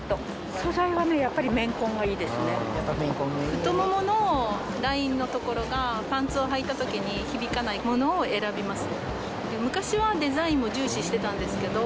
太もものラインの所がパンツをはいた時に響かないものを選びます。